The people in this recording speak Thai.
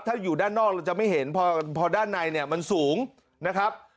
ถ้าอยู่ด้านนอกเราจะไม่เห็นพอด้านในเนี่ยมันสูงนะครับ